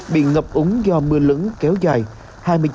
bị ngập úng do mưa lửng kéo dài